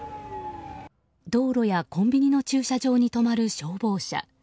道路やコンビニの駐車場に止まる消防車。